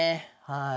はい。